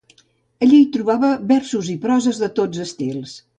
Allí hi trobava versos i proses de tots estils